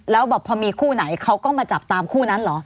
แล้วแบบพอมีคู่ไหนเขาก็มาจับตามคู่นั้นเหรอ